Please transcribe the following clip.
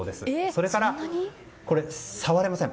それから、触れません。